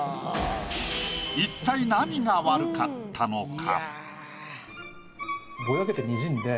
一体何が悪かったのか？